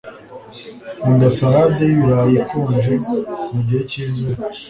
Nkunda salade yibirayi ikonje mugihe cyizuba